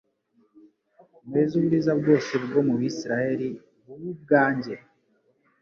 Mweze uburiza bwose bwo mu BIsiraheli bube ubwanjye